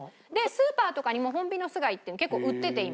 スーパーとかにもホンビノス貝って結構売ってて今。